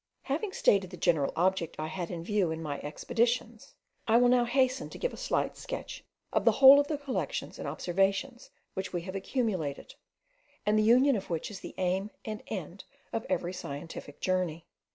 Having stated the general object I had in view in my expeditions, I will now hasten to give a slight sketch of the whole of the collections and observations which we have accumulated, and the union of which is the aim and end of every scientific journey.